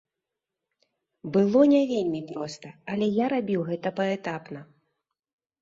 Было не вельмі проста, але я рабіў гэта паэтапна.